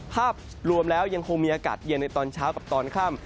ภาพรวมแล้วยังคงมีอากาศเย็นในตอนเช้ากับตอนค่ำ